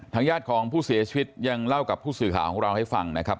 ญาติของผู้เสียชีวิตยังเล่ากับผู้สื่อข่าวของเราให้ฟังนะครับ